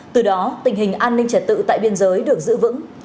từ đó tình hình an ninh trật tự tại biên giới được giữ vững